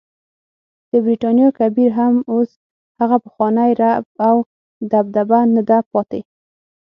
د برټانیا کبیر هم اوس هغه پخوانی رعب او دبدبه نده پاتې.